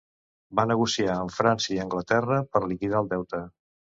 Va negociar amb França i Anglaterra per liquidar el deute.